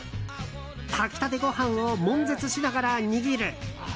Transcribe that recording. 炊き立てご飯を悶絶しながら握る。